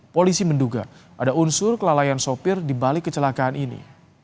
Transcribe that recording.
polisi menduga ada unsur kelalaian sopir di balik kecelakaan ini